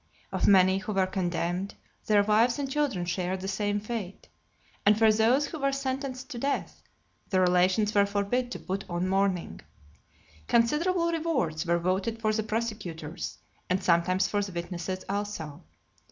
Of many who were condemned, their wives and children shared the same fate; and for those who were sentenced to death, the relations were forbid to put on mourning. Considerable rewards were voted for the prosecutors, and sometimes for the witnesses also.